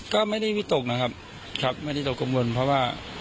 ก็ไม่ได้วิตกนะครับครับไม่ได้ตกกังวลเพราะว่า